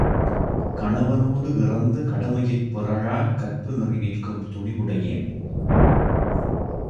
கணவனோடு இறந்து கடமையிற் பிறழாக் கற்புநெறி நிற்கும் துணிவுடையேன்.